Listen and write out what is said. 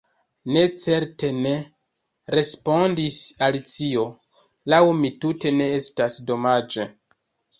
"Ne, certe ne!" respondis Alicio. "Laŭ mi tute ne estas domaĝe. »